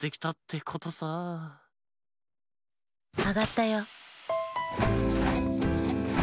あがったよ。